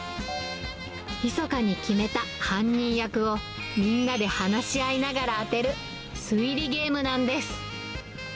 ひそかに決めた犯人役を、みんなで話し合いながら当てる、推理ゲームなんです。